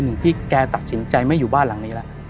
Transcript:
หนึ่งที่แกตัดสินใจไม่อยู่บ้านหลังนี้แล้ว